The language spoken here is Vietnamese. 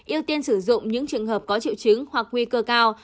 ưu tiên sử dụng những trường hợp có triệu chứng hoặc nguy cơ cao